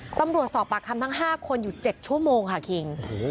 สอบปากคำทั้ง๕คนอยู่๗ชั่วโมงค่ะคิง